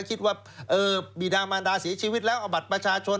คิดว่าบีดามันดาเสียชีวิตแล้วเอาบัตรประชาชน